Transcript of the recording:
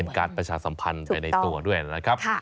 การประชาสัมพันธ์ไปในตัวด้วยนะครับ